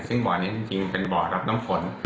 ซึ่งบ่อนี้จริงเป็นบ่อรับน้ำฝน